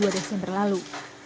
dua puluh dua desember lalu